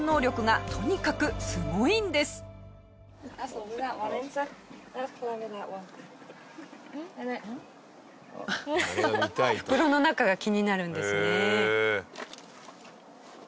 下平：袋の中が気になるんですね。